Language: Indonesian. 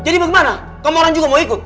jadi bagaimana kamu orang juga mau ikut